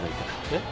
えっ？